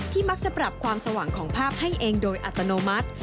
มักจะปรับความสว่างของภาพให้เองโดยอัตโนมัติ